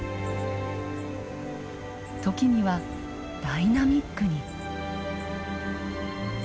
時にはダイナミックに。